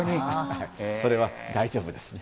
それは大丈夫ですね。